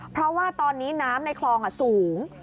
เพราะว่าตอนนี้น้ำในคลองสูง